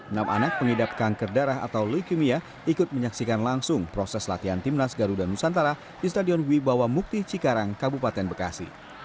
enam anak pengidap kanker darah atau leukemia ikut menyaksikan langsung proses latihan timnas garuda nusantara di stadion wibawa mukti cikarang kabupaten bekasi